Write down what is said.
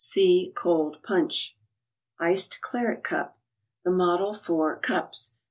See " Cold Punch " 3|cet> Claret Cup. The model for " cups."